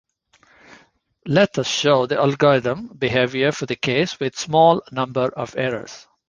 Let us show the algorithm behaviour for the case with small number of errors.